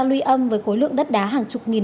luy âm với khối lượng đất đá hàng chục nghìn